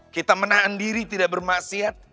kita menahan diri tidak bermaksiat